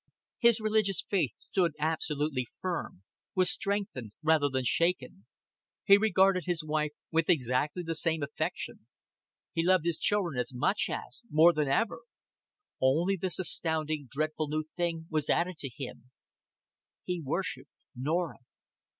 His religious faith stood absolutely firm, was strengthened rather than shaken; he regarded his wife with exactly the same affection; he loved his children as much as, more than ever; only this astounding dreadful new thing was added to him: he worshiped Norah.